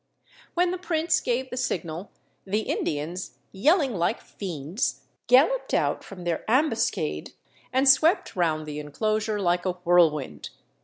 When the prince gave the signal the Indians, yelling like fiends, galloped out from their ambuscade and swept round the inclosure like a whirlwind.